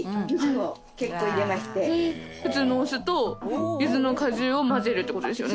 普通のお酢とゆずの果汁を混ぜるってことですよね。